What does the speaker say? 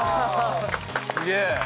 すげえ！